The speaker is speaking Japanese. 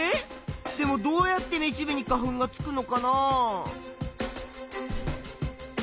でもどうやってめしべに花粉がつくのかな？